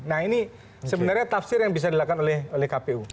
nah ini sebenarnya tafsir yang bisa dilakukan oleh kpu